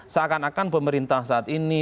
seakan akan pemerintah saat ini